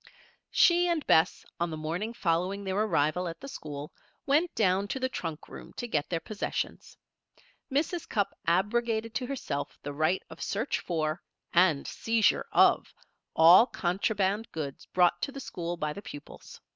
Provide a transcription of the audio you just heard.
She and Bess, on the morning following their arrival at the school, went down to the trunk room to get their possessions. Mrs. Cupp abrogated to herself the right of search for, and seizure of, all contraband goods brought to the school by the pupils.